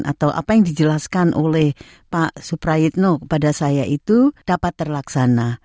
atau apa yang dijelaskan oleh pak suprayitno kepada saya itu dapat terlaksana